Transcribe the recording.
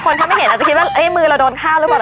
ถ้าไม่เห็นอาจจะคิดว่ามือเราโดนฆ่าหรือเปล่า